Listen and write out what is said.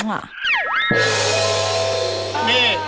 ให้เฮ็งได้รวยนะจ๊า